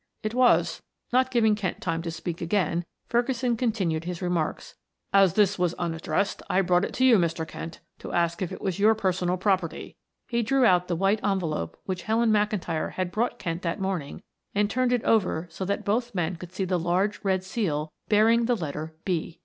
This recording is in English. "It was," not giving Kent time to speak again Ferguson continued his remarks. "As this was unaddressed I brought it to you, Mr. Kent, to ask if it was your personal property" he drew out the white envelope which Helen McIntyre had brought Kent that morning and turned it over so that both men could see the large red seal bearing the letter "B."